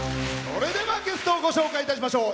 それではゲストをご紹介いたしましょう。